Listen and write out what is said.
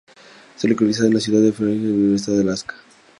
Está localizada en la Ciudad de Fairbanks en el estado de Alaska.